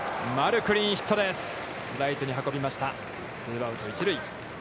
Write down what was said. ツーアウト、一塁。